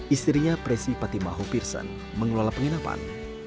istrinya presi patimahho pearson mengelola penginapan